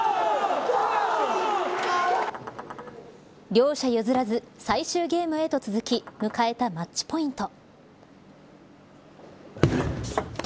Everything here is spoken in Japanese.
両者譲らず最終ゲームへと続き迎えたマッチポイント。